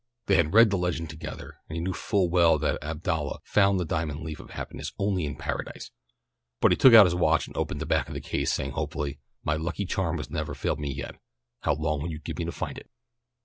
They had read the legend together, and he knew full well that Abdallah found the diamond leaf of happiness only in Paradise, but he took out his watch and opened the back of the case, saying hopefully, "My lucky charm has never failed me yet, how long will you give me to find it?"